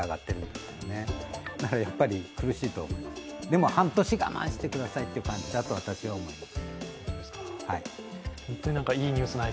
だから苦しいと、でも、半年我慢してくださいという感じだと私は思います。